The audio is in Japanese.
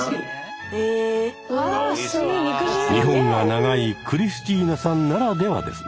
日本が長いクリスチーナさんならではですね。